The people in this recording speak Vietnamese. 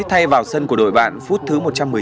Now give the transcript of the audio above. thay vào sân của đội bạn phút thứ một trăm một mươi chín